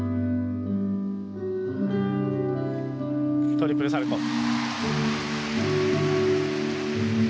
トリプルサルコウ。